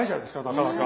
なかなか。